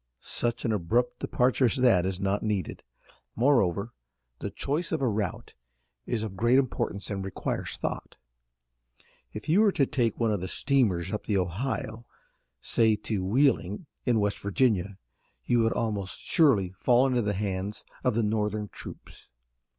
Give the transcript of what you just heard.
"Such an abrupt departure as that is not needed. Moreover the choice of a route is of great importance and requires thought. If you were to take one of the steamers up the Ohio, say to Wheeling, in West Virginia, you would almost surely fall into the hands of the Northern troops.